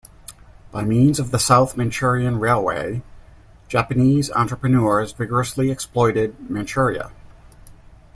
By means of the South Manchurian Railway, Japanese entrepreneurs vigorously exploited Manchuria.